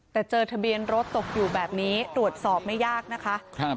แต่เจอทะเบียนรถตกอยู่แบบนี้ตรวจสอบไม่ยากนะคะ